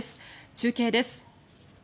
中継です。